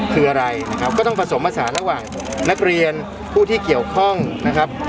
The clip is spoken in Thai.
คืออะไรนะครับก็ต้องผสมผสานระหว่างนักเรียนผู้ที่เกี่ยวข้องนะครับ